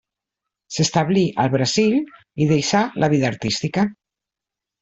S'establí al Brasil i deixà la vida artística.